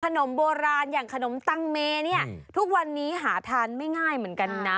ขนมโบราณอย่างขนมตังเมเนี่ยทุกวันนี้หาทานไม่ง่ายเหมือนกันนะ